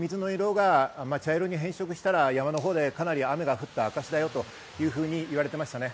この色が茶色に変色したら山のほうでかなり雨が降った証だよというふうに言われていました。